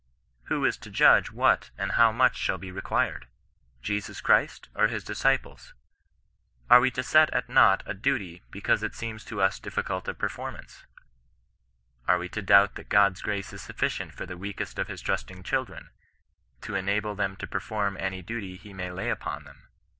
Who is to judge what and how much shall be required ! Jesus Christ or his disciples ? Are we to set at nought a d/uty because it seems to us diffi cult of performance 1 Are we to doubt that Ood^s grace is sufficient for the weakest of his trusting children, to en able them to perform any duty He may lay upon them